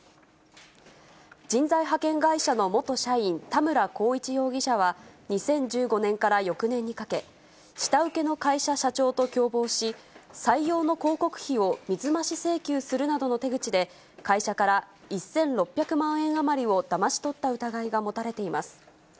人材派遣会社の元社員、田村浩一容疑者は、２０１５年から翌年にかけ、下請けの会社社長と共謀し、採用の広告費を水増し請求するなどの手口で、会社から１６００万円余りをだまし取った疑いが持たれています。